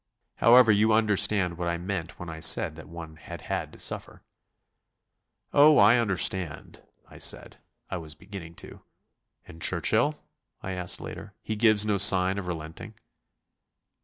However, you understand what I meant when I said that one had had to suffer." "Oh, I understand," I said. I was beginning to. "And Churchill?" I asked later, "he gives no sign of relenting?"